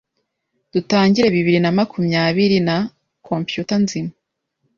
Dutangire bibiri namakumyabiri na Computer nzima